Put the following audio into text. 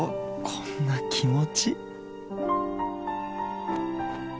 こんな気持ち。